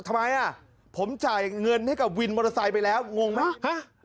ทำไมอ่ะผมจ่ายเงินให้กับวินมอเตอร์ไซค์ไปแล้วงงไหมฮะ